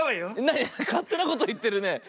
なになにかってなこといってるね。